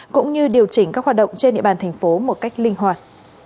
cũng như điều chỉnh các hoạt động trên địa bàn thành phố một cách linh hoạt